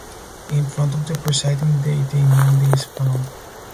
In front of the presiding deity nandhi is found.